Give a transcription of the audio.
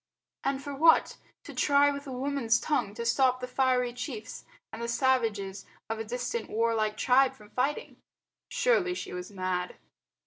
And for what? To try with a woman's tongue to stop the fiery chiefs and the savages of a distant warlike tribe from fighting. Surely she was mad.